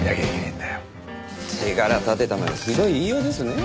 手柄立てたのにひどい言いようですね。